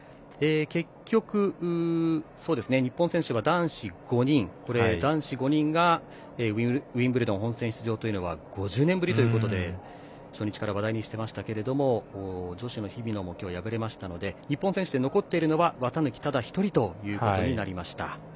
結局、日本選手は男子５人がウィンブルドン本戦出場というのは５０年ぶりということで初日から話題にしていましたが女子の日比野も今日敗れましたので日本選手で残っているのは綿貫、ただ１人ということになりました。